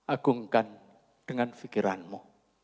agungkan dengan fikiranmu